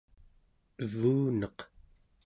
evuneq